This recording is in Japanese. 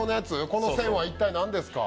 この線は一体なんですか？